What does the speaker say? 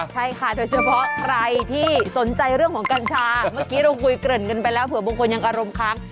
ใช่ค่ะโดยเฉพาะใครที่สนใจเรื่องของกัญชาเมื่อกี้เราคุยเกริ่นกันไปแล้วเผื่อบางคนยังอารมณ์ค้าง